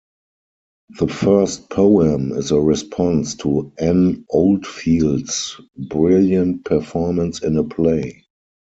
The first poem is a response to Anne Oldfield's brilliant performance in a play.